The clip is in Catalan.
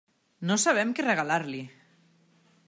No sabem què regalar-li.